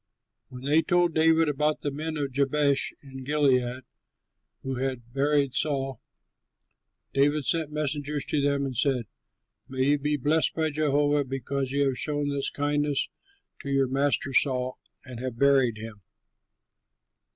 When they told David about the men of Jabesh in Gilead who had buried Saul, David sent messengers to them and said, "May you be blessed by Jehovah because you have shown this kindness to your master Saul and have buried him.